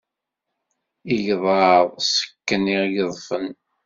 Igḍaḍ ṣekken igedfen.